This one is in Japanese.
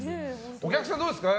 お客さんどうですか？